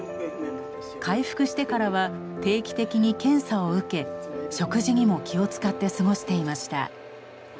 回復してからは定期的に検査を受け食事にも気を遣って過ごしていました。